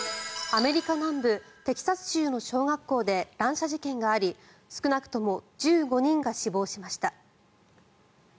アメリカ南部テキサス州の小学校で乱射事件があり少なくとも１５人が死亡しました。